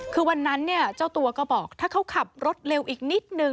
คือวันนั้นเนี่ยเจ้าตัวก็บอกถ้าเขาขับรถเร็วอีกนิดนึง